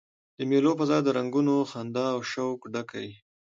د مېلو فضا د رنګونو، خندا او شوق ډکه يي.